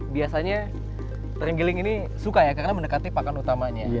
biasanya renggiling ini suka ya karena mendekati pakan utamanya